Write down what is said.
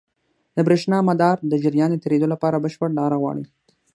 د برېښنا مدار د جریان د تېرېدو لپاره بشپړ لاره غواړي.